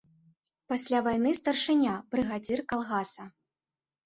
Пасля вайны старшыня, брыгадзір калгаса.